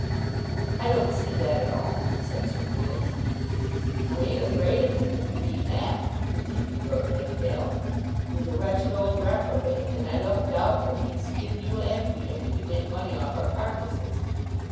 "I don't see that at all," said Sir Felix. "I ain't afraid of him, if you mean that," continued Lord Nidderdale. "He's a wretched old reprobate, and I don't doubt but he'd skin you and me if he could make money off our carcasses.